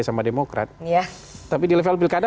sama demokrat ya tapi di level pilkada